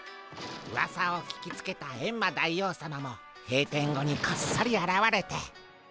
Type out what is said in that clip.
うわさを聞きつけたエンマ大王さまも閉店後にこっそりあらわれて。